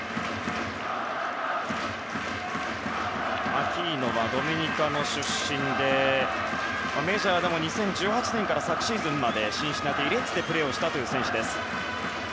アキーノはドミニカの出身でメジャーでも２０１８年から昨シーズンまでシンシナティ・レッズでプレーをしたという選手です。